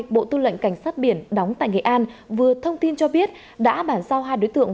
bộ tư lệnh cảnh sát biển đóng tại nghệ an vừa thông tin cho biết đã bản giao hai đối tượng